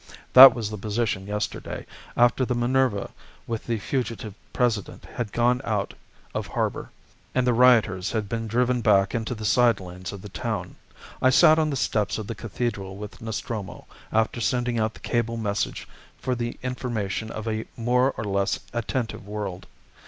"That was the position yesterday, after the Minerva with the fugitive President had gone out of harbour, and the rioters had been driven back into the side lanes of the town. I sat on the steps of the cathedral with Nostromo, after sending out the cable message for the information of a more or less attentive world.